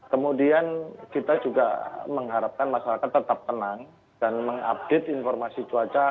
kemudian kita juga mengharapkan masyarakat tetap tenang dan mengupdate informasi cuaca